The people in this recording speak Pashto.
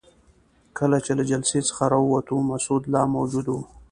کله چې له جلسې څخه راووتو مسعود لا موجود وو.